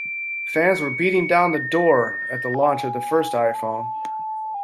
Fans were beating down the door at the launch of the first iPhone.